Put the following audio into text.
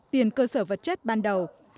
tiền cơ sở vật chất ban đầu